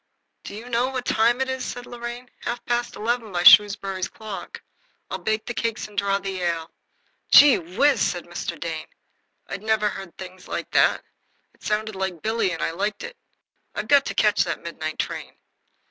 "Do you know what time it is?" said Lorraine. "Half past eleven by Shrewsbury clock. I'll bake the cakes and draw the ale." "Gee whiz!" said Mr. Dane. I'd never heard things like that. It sounded like Billy, and I liked it. "I've got to catch that midnight train."